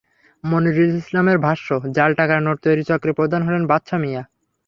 মনিরুল ইসলামের ভাষ্য, জাল টাকার নোট তৈরির চক্রের প্রধান হলেন বাদশা মিয়া।